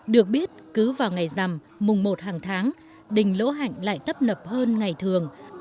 được biết cứ vào ngày rằm mùng một hàng tháng đình lỗ hạnh lại tấp nập hơn ngày thường